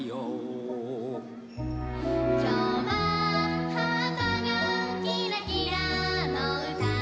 「きょうははっぱがきらきらのうた」